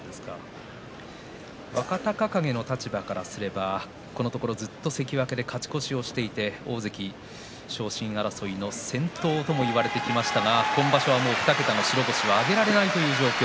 若隆景の立場からすればこのところ、ずっと関脇で勝ち越しをしていて大関昇進争いの先頭ともいわれてきましたが今場所はもう２桁の白星は挙げられないという状況。